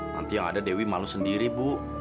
nanti yang ada dewi malu sendiri bu